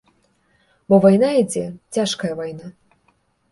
Бо вайна ідзе, цяжкая вайна!